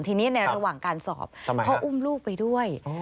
ทีนี้ในระหว่างการสอบเขาอุ้มลูกไปด้วย